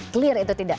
clear itu tidak